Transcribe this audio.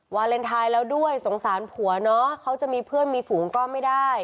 วาเลนไทยแล้วด้วยสงสารผัวเนอะเขาจะมีเพื่อนมีฝูงก็ไม่ได้